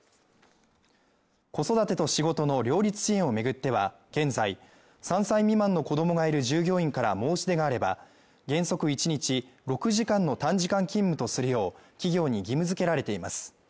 子育てと仕事の両立支援を巡っては、現在３歳未満の子供がいる従業員から申し出があれば原則１日６時間の短時間勤務とするよう企業に義務付けられています。